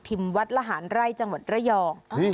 วัดละหารไร่จังหวัดระยอง